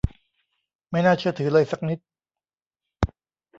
ไม่น่าเชื่อถือเลยสักนิด !